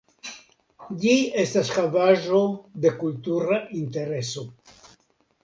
Ĝi estas Havaĵo de Kultura Intereso.